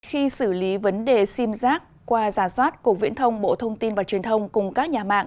khi xử lý vấn đề sim giác qua giả soát cục viễn thông bộ thông tin và truyền thông cùng các nhà mạng